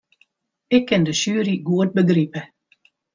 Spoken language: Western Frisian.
Ik kin de sjuery goed begripe.